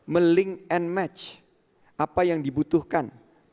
melink and match apa yang dibutuhkan